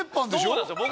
そうなんですよ